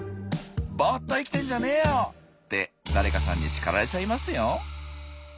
「ボーっと生きてんじゃねーよ」って誰かさんに叱られちゃいますよ！